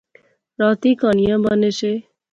راتیں کہانیاں بانے سے